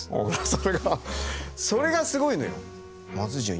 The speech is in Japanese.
それがそれがすごいのよ。